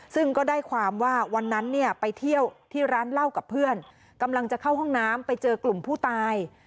ซึ่งก็ได้ความว่าวันนั้นเนี่ยไปเที่ยวที่ร้านเหล้ากับเพื่อนกำลังจะเข้าห้องน้ำไปเจอกลุ่มผู้ตาย